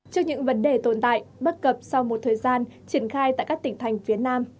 trước những vấn đề tồn tại bất cập sau một thời gian triển khai tại các tỉnh thành phía nam